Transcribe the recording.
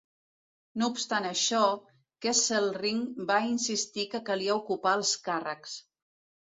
No obstant això, Kesselring va insistir que calia ocupar els càrrecs.